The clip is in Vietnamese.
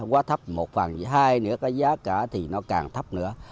quá thấp một phần hai nữa cái giá cả thì nó càng thấp nữa